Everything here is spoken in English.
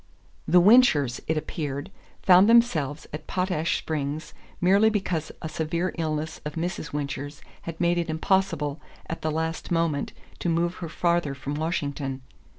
The Winchers, it appeared, found themselves at Potash Springs merely because a severe illness of Mrs. Wincher's had made it impossible, at the last moment, to move her farther from Washington.